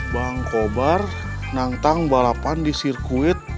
bang kobar nantang balapan di sirkuit